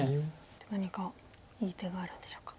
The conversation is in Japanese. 何かいい手があるんでしょうか。